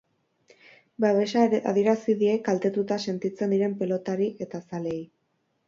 Babesa adierazi die kaltetuta sentitzen diren pilotari eta zaleei.